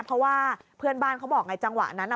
เพราะว่าเพื่อนบ้านเขาบอกไงจังหวะนั้น